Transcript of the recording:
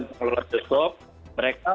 dki jakarta mereka